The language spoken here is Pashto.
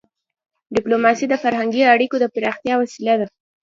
ډيپلوماسي د فرهنګي اړیکو د پراختیا وسیله ده.